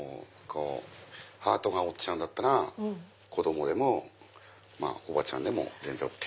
ハートがおっちゃんだったら子供でもおばちゃんでもＯＫ。